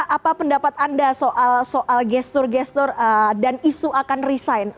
apa pendapat anda soal gestur gestur dan isu akan resign